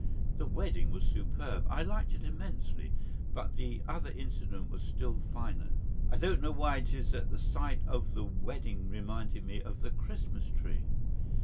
The wedding was superb. I liked it immensely. But the other incident was still finer. I don't know why it is that the sight of the wedding reminded me of the Christmas tree.